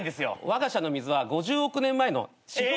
わが社の水は５０億年前の地表。